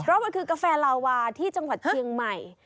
เพราะมันคือกาแฟลาวาที่จังหวัดเชียงใหม่